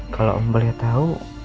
kalau om boleh tahu